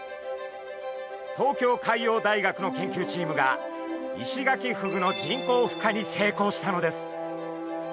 東京海洋大学の研究チームがイシガキフグの人工ふ化に成功したのです。